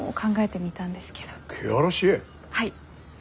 はい。